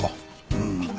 うん。